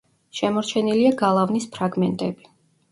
შემორჩენილია გალავნის ფრაგმენტები.